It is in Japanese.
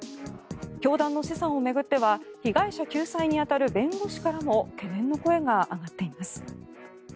教団の資産を巡っては被害者救済に当たる弁護士からも懸念の声が上がっています。